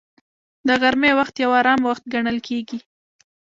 د غرمې وخت یو آرام وخت ګڼل کېږي